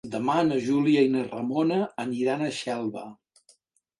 Demà na Júlia i na Ramona aniran a Xelva.